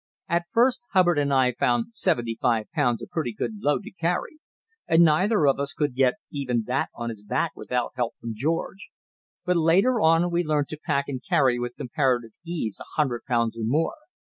At first Hubbard and I found seventy five pounds a pretty good load to carry, and neither of us could get even that on his back without help from George; but later on we learned to back and carry with comparative ease a hundred pounds or more.